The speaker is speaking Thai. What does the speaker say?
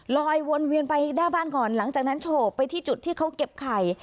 ลอยวนเวียนไปหน้าบ้านก่อนหลังจากนั้นโฉบไปที่จุดที่เขาเก็บไข่